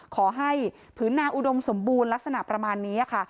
ผืนนาอุดมสมบูรณ์ลักษณะประมาณนี้ค่ะ